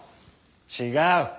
違う。